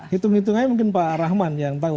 hitung hitung aja mungkin pak rahman yang tahu